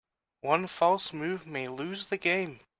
One false move may lose the game.